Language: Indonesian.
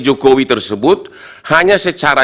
jokowi tersebut hanya secara